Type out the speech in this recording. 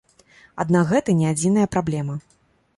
Аднак гэта не адзіная праблема.